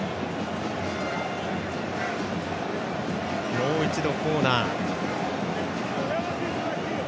もう一度コーナー。